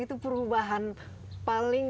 itu perubahan paling